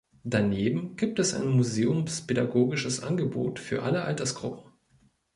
Daneben gibt es ein museumspädagogisches Angebot für alle Altersgruppen.